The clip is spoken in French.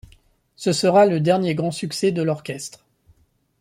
Ce sera le dernier grand succès de l'orchestre.